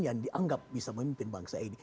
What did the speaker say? yang dianggap bisa memimpin bangsa ini